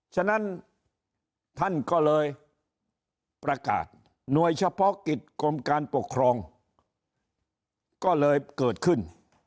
ฉะนั้นท่านก็เลยประกาศหน่วยเฉพาะกิจกรมการปกครองก็เลยเกิดขึ้น